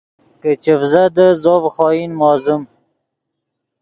کہ چڤزدیت زو ڤے خوئن موزیم